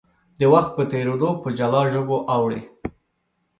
د وخت په تېرېدو په جلا ژبو اوړي.